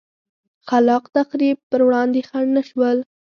خلا ق تخریب پر وړاندې خنډ نه شول.